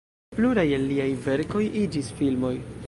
Pluraj el liaj verkoj iĝis filmoj.